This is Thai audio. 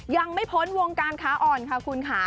ยังไม่พ้นวงการค้าอ่อนค่ะคุณค่ะ